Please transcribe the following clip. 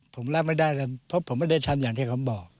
ผมรับไม่ได้เลยเพราะผมไม่ได้ทำอย่างที่เขาบอก